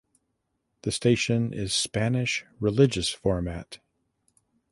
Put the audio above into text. The station is Spanish religious format.